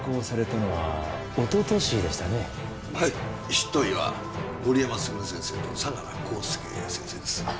執刀医は森山卓先生と相良浩介先生です。